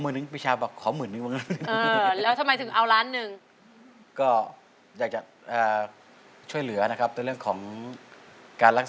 ยังไม่ได้นะยังไม่ได้